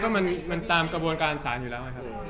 ก็มันตามกระบวนการศาลอยู่แล้วไงครับผม